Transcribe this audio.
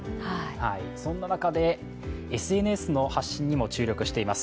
そんな中でＳＮＳの発信にも注力しています。